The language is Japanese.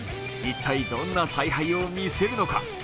一体、どんな采配を見せるのか。